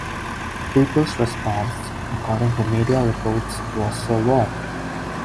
The pope's response, according to media reports, was so what?